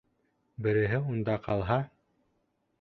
Береһе унда ҡалһа...